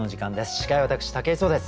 司会は私武井壮です。